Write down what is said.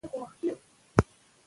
د زده کوونکو په ذهن کې فشار نشته.